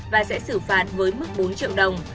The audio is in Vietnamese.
và sẽ xử phạt với mức bốn triệu đồng